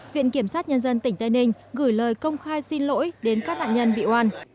viện kiểm sát nhân dân tỉnh tây ninh gửi lời công khai xin lỗi đến các nạn nhân bị oan